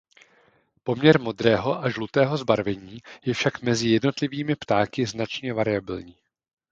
Poměr modrého a žlutého zbarvení je však mezi jednotlivými ptáky značně variabilní.